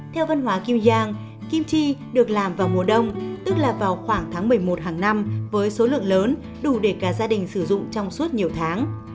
theo văn hóa kyuyang kim chi được làm vào mùa đông tức là vào khoảng tháng một mươi một hàng năm với số lượng lớn đủ để cả gia đình sử dụng trong suốt nhiều tháng